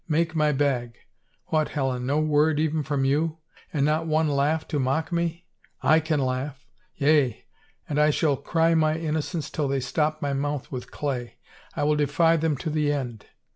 Make my bag. What, Helen, no word, even from you? And not one laugh to mock me? / can laugh! ... Yea, and I shall cry my innocence till they stop my mouth with clay. I will defy them to the end."